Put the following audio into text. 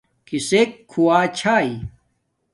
کسک کُھوا چھاݵ